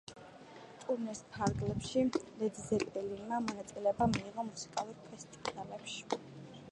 ტურნეს ფარგლებში ლედ ზეპელინმა მონაწილეობა მიიღო მუსიკალურ ფესტივალებში.